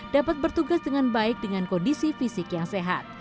dapat bertugas dengan baik dengan kondisi fisik yang sehat